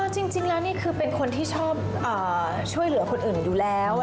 จริงแล้วนี่คือเป็นคนที่ชอบช่วยเหลือคนอื่นอยู่แล้ว